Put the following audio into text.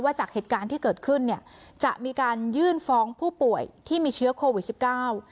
จากเหตุการณ์ที่เกิดขึ้นเนี่ยจะมีการยื่นฟ้องผู้ป่วยที่มีเชื้อโควิดสิบเก้า